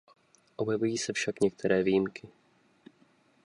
Objevují se však některé výjimky.